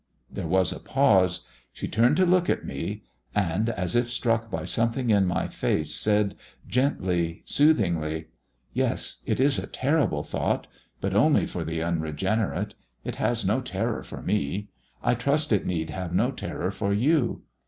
There was a pause. She turned to look at me, and, as if struck by something in my face, said gently, soothingly: "Yes, it is a terrible thought, but only for the unregenerate. It has no terror for me. I trust it need have no terror for you.